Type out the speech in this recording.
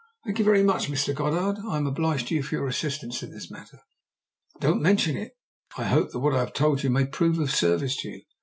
"Thank you very much, Mr. Goddard. I am obliged to you for your assistance in this matter." "Don't mention it. I hope that what I have told you may prove of service to you."